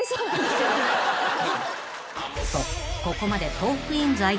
［とここまで］